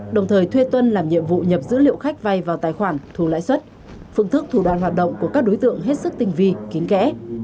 đồng thời thuê tuân làm nhiệm vụ nhập dữ liệu khách vay vào tài khoản thù lãi suất phương thức thủ đoàn hoạt động của các đối tượng hết sức tinh vi kín kẽ